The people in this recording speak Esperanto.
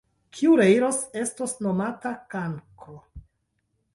Kiu reiros, estos nomata kankro!